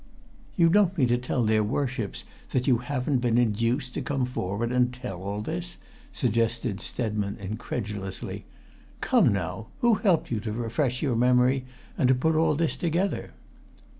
"You don't mean to tell their Worships that you haven't been induced to come forward and tell all this?" suggested Stedman incredulously. "Come, now! Who helped you to refresh your memory, and to put all this together?"